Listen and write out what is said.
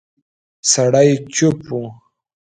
سړی چوپ و.